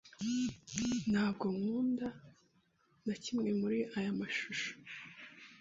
Ntabwo nkunda na kimwe muri aya mashusho.